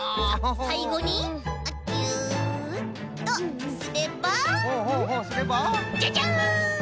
さいごにキュッとすればじゃじゃん！